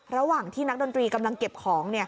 ระหว่างที่นักดนตรีกำลังเก็บของ